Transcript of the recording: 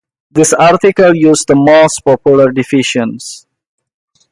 This article uses the most popular divisions.